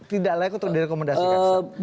tidak layak untuk direkomendasikan